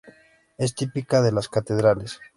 Es típica de las catedrales.